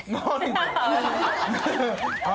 何？